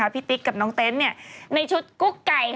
ติ๊กกับน้องเต็นต์ในชุดกุ๊กไก่